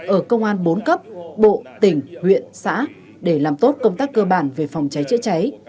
ở công an bốn cấp bộ tỉnh huyện xã để làm tốt công tác cơ bản về phòng cháy chữa cháy